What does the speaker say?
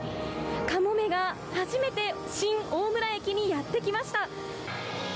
「かもめ」が初めて新大村駅にやってきました。